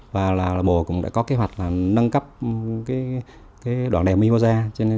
và bộ cũng đã có kế hoạch nâng cấp đoạn đèo mimosa